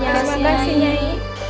terima kasih nyanyi